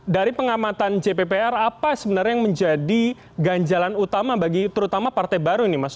dari pengamatan jppr apa sebenarnya yang menjadi ganjalan utama bagi terutama partai baru ini mas